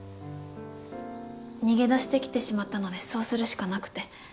逃げ出してきてしまったのでそうするしかなくて。